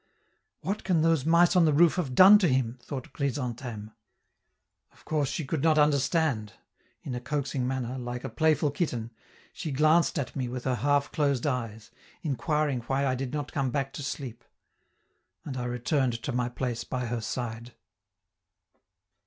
"What can those mice on the roof have done to him?" thought Chrysantheme. Of course she could not understand. In a coaxing manner, like a playful kitten, she glanced at me with her half closed eyes, inquiring why I did not come back to sleep and I returned to my place by her side.